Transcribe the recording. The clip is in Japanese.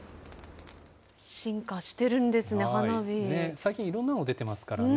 最近、いろんなの出てますからね。